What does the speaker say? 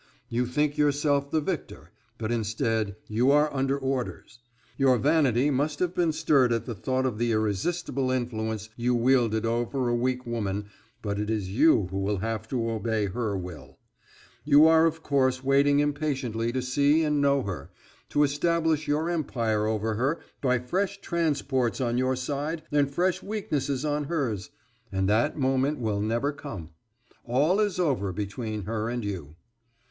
You think yourself the victor, but instead you are under orders. Your vanity must have been stirred at the thought of the irresistible influence you wielded over a weak woman but it is you who have to obey her will. You are of course waiting impatiently to see and know her, to establish your empire over her by fresh transports on your side and fresh weaknesses on hers and that moment will never come. All is over between her and you.